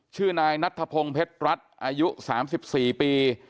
ชื่อนายนัทธพงศ์เพชรรัฐอายุ๓๔ปี